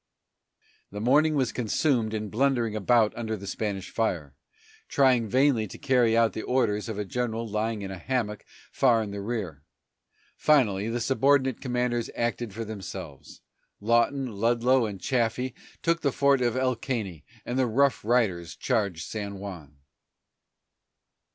The morning was consumed in blundering about under the Spanish fire, trying vainly to carry out the orders of a general lying in a hammock far in the rear. Finally, the subordinate commanders acted for themselves; Lawton, Ludlow, and Chaffee took the fort of El Caney, and the Rough Riders charged San Juan.